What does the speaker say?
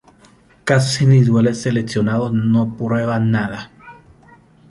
Casos individuales seleccionados no prueban nada.